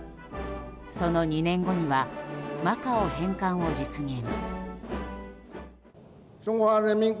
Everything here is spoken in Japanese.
その２年後にはマカオ返還を実現。